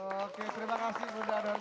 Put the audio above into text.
oke terima kasih bunda doce